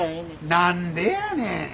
何でやねん。